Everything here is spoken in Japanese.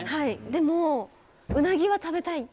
でも、ウナギは食べたい。